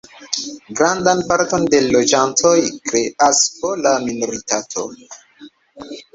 Grandan parton de loĝantoj kreas pola minoritato.